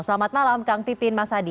selamat malam kang pimpin mas adi